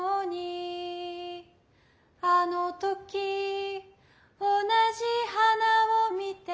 「あのとき同じ花を見て」